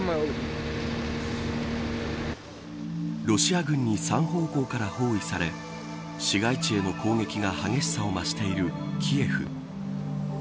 ロシア軍に３方向から包囲され市街地への攻撃が激しさを増しているキエフ。